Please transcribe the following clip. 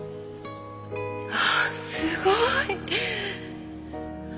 ああすごい！